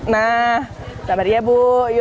nah sampai dia bu